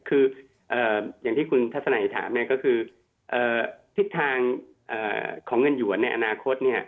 คืออย่างที่คุณทัศนัยถามก็คือทิศทางของเงินหวนในอนาคต